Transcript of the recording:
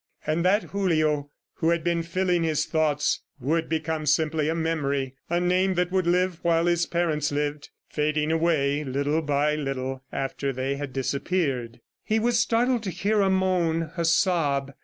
And that Julio who had been filling his thoughts would become simply a memory, a name that would live while his parents lived, fading away, little by little, after they had disappeared! ... He was startled to hear a moan, a sob.